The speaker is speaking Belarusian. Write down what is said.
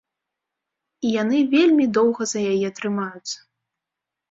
І яны вельмі доўга за яе трымаюцца.